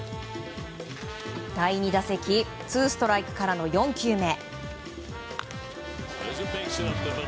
第２打席ツーストライクからの４球目。